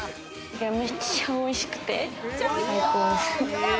めっちゃおいしくて最高です。